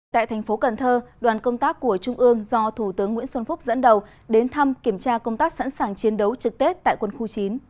tại thành phố cần thơ đoàn công tác của trung ương do thủ tướng nguyễn xuân phúc dẫn đầu đến thăm kiểm tra công tác sẵn sàng chiến đấu trực tết tại quân khu chín